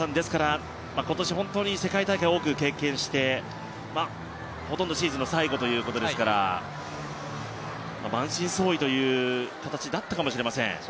本当に今年世界大会を多く経験してほとんどシーズンの最後ということですから満身創いという形だったかもしれません。